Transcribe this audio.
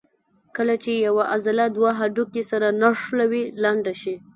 کله چې یوه عضله دوه هډوکي سره نښلوي لنډه شي.